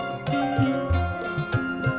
aduh aduh aduh aduh